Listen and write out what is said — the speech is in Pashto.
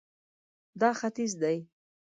دا ختیځ دی